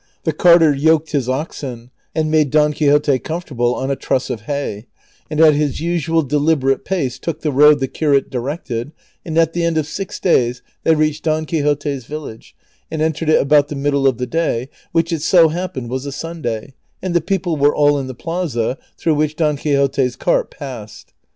The carter yoked his oxen and made Don Quixote comfortable on a truss of hay, and at his usual deliberate pace took the road the curate directed, and at the end of six days they reached Don Quixote's village, and en tered it about the middle of the day, which it so happened was a Sunday, and the people were all in the plaza, through which Don Quixote's cart passed.